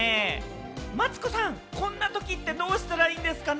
マツコさん、こんな時ってどうしたらいいんですかね？